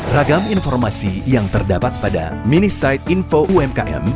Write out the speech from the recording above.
ragam informasi yang terdapat pada mini side info umkm